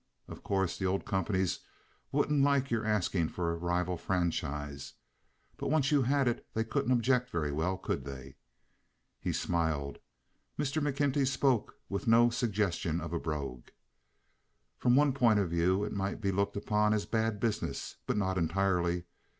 Of course the old companies wouldn't like your asking for a rival franchise, but once you had it they couldn't object very well, could they?" He smiled. Mr. McKenty spoke with no suggestion of a brogue. "From one point of view it might be looked upon as bad business, but not entirely.